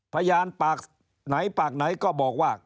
พยานปากไหนปากไหนก็บอกว่า